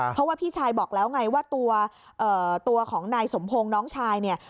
เพราะว่าพี่ชายบอกแล้วไงว่าตัวของนายสมพงศ์น้องชายเนี่ย